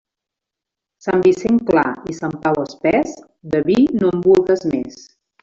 Sant Vicenç clar i Sant Pau espés, de vi no en vulgues més.